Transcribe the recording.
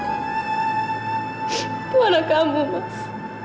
itu anak kamu mas